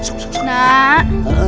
kamu kenapa terus menangis